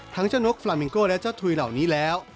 ทั้งเจ้านกฟราเมงโก้และเจ้าถุยเหล่านี้แล้ว